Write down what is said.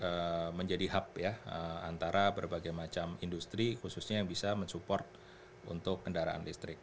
ini juga menjadi hub ya antara berbagai macam industri khususnya yang bisa mensupport untuk kendaraan listrik